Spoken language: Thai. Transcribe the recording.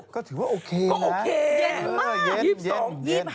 ก็ถือว่าโอเคนะยินมากยินก็โอเคเย็นมาก